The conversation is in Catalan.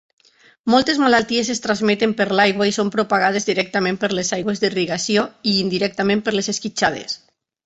Moltes malalties es transmeten per l'aigua i són propagades directament per les aigües d"irrigació i indirectament per les esquitxades.